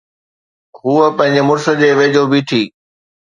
هوءَ پنهنجي مڙس جي ويجهو بيٺي.